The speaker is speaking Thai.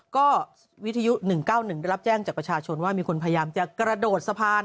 ก็วิทยุ๑๙๑ได้รับแจ้งจากประชาชนว่ามีคนพยายามจะกระโดดสะพาน